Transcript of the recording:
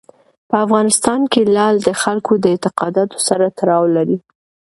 په افغانستان کې لعل د خلکو د اعتقاداتو سره تړاو لري.